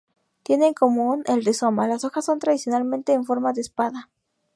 Tienen en común el rizoma, las hojas son tradicionalmente en forma de espada.